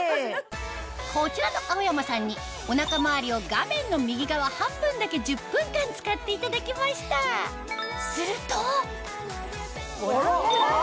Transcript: こちらの青山さんにお腹周りを画面の右側半分だけ１０分間使っていただきましたするとあら！